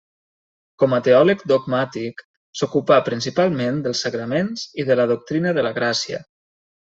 Com a teòleg dogmàtic s'ocupà principalment dels sagraments i de la doctrina de la gràcia.